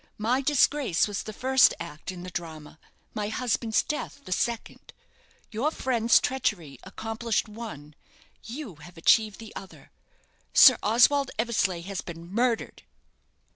My disgrace was the first act in the drama, my husband's death the second. Your friend's treachery accomplished one, you have achieved the other. Sir Oswald Eversleigh has been murdered!"